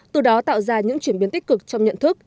từ đó tạo ra những chuyển biến tích cực trong nhận thức